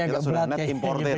kita sudah net importer